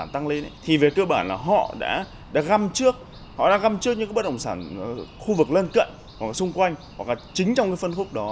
thì về cơ bản là họ đã găm trước họ đã găm trước những bất động sản khu vực lên cận hoặc là xung quanh hoặc là chính trong phân khúc đó